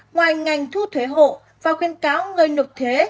ngoài ngành thu thuế hộ và khuyến cáo người nộp thuế